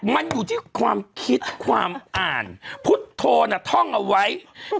มันอยู่ที่ความคิดความอ่านพุทธโธน่ะท่องเอาไว้